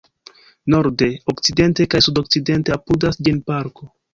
Norde, okcidente kaj sudokcidente apudas ĝin parko.